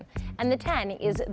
dan iphone sepuluh itu